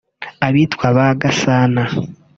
abitwa ba Gasana